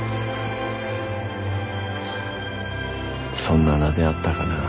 フッそんな名であったかなぁ。